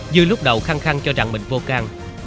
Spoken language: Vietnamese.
dư lúc đầu khăng khăng cho rằng mình vô can